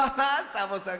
サボさん